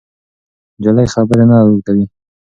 نجلۍ خبرې نه اوږدوي.